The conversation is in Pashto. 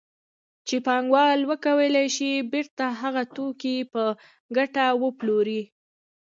چې پانګوال وکولای شي بېرته هغه توکي په ګټه وپلوري